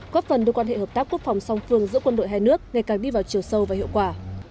góp phần đưa quan hệ hợp tác quốc phòng song phương giữa quân đội hai nước ngày càng đi vào chiều sâu và hiệu quả